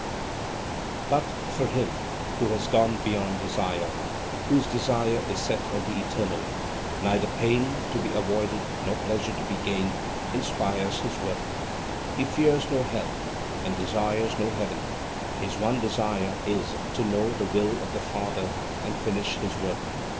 But, for him who has gone beyond desire, whose desire is set on the Eternal, neither pain to be avoided nor pleasure to be gained inspires his work. He fears no hell and desires no heaven. His one desire is, to know the will of the Father and finish His work.